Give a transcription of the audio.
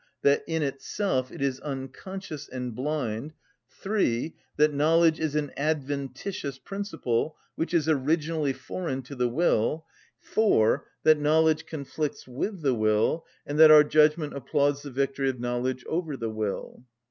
that in itself it is unconscious and blind; (3.) that knowledge is an adventitious principle, which is originally foreign to the will; (4.) that knowledge conflicts with the will, and that our judgment applauds the victory of knowledge over the will.